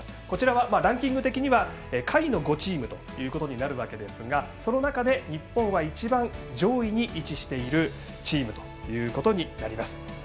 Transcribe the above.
こちらはランキング的には下位の５チームということになりますがその中で日本は一番上位に位置しているチームということになります。